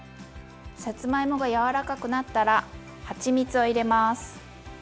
さつまいもが柔らかくなったらはちみつを入れます。